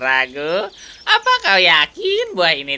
aku puas karena blue lalu